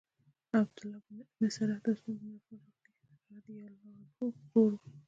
عبدالله بن ابی سرح د عثمان بن عفان رضاعی ورور وو.